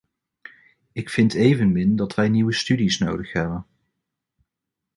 Ik vind evenmin dat wij nieuwe studies nodig hebben.